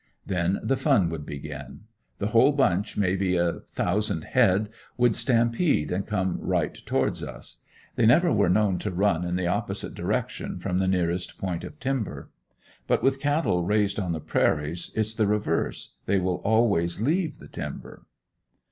Then the fun would begin the whole bunch, may be a thousand head, would stampede and come right towards us. They never were known to run in the opposite direction from the nearest point of timber. But with cattle raised on the prairies, it's the reverse, they will always leave the timber.